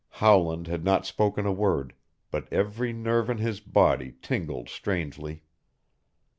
Howland had not spoken a word, but every nerve in his body tingled strangely.